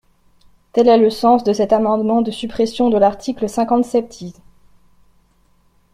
Tel est le sens de cet amendement de suppression de l’article cinquante septies.